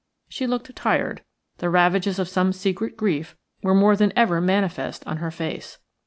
She looked tired; the ravages of some secret grief were more than ever manifest on her face.